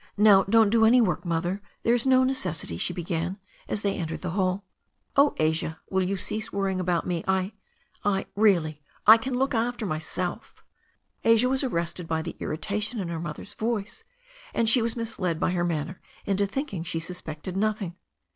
"Now, don't do any work, Mother. There's no neces sity '* she began, as they entered the hall. "Oh, Asia, will you cease worrying about me — ^I — ^I — really — ^I can look after myself," Asia was arrested by the irritation in her mother's voice, and she was misled by her manner into thinking she sus pected nothing.